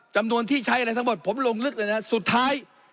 จำนวนที่ใช้อะไรทั้งหมดผมลงลึกเลยนะสุดท้าย